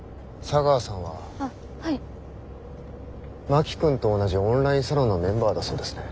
真木君と同じオンラインサロンのメンバーだそうですね。